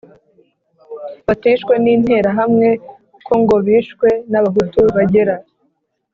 batishwe n'Interahamwe, ko ngo bishwe n'Abahutu bagera.